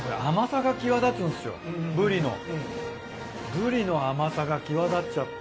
ブリの甘さが際立っちゃって。